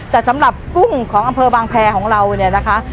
แต่สำหรับกุ้งของอำเภอบางแพรของเราเนี่ยนะคะ